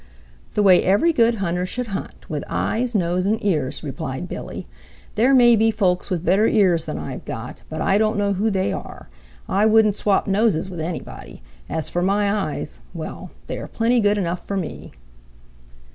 "The way every good hunter should hunt, with eyes, nose and ears," replied Billy. "There may be folks with better ears than I've got, but I don't know who they are. I wouldn't swap noses with anybody. As for my eyes, well, they are plenty good enough for me."